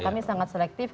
kami sangat selektif